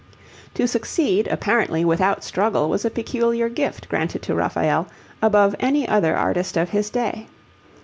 To succeed apparently without struggle was a peculiar gift granted to Raphael above any other artist of his day.